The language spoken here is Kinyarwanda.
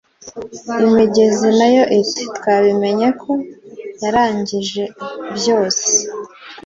imigezi nayo iti twabimenye ko yarangije byose